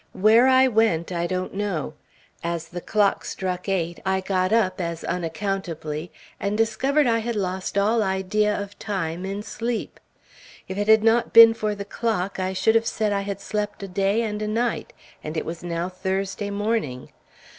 Where I went, I don't know. As the clock struck eight, I got up as unaccountably, and discovered I had lost all idea of time in sleep. If it had not been for the clock, I should have said I had slept a day and a night, and it was now Thursday morning.